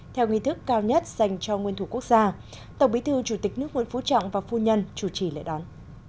theo nguyên thức cao nhất dành cho nguyên thủ quốc gia tổng bí thư chủ tịch nước nguyễn phú trọng và phu nhân chủ trì lễ đón